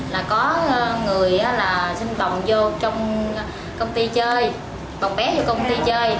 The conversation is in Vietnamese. là có người sinh tồng vô trong công ty chơi bọc bé vô công ty chơi